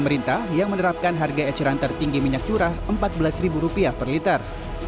pemerintah yang menerapkan harga eceran tertinggi minyak curah rp empat belas per liter